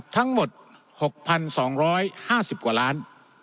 ทั้งหมด๖๒๕๐กว่าล้าน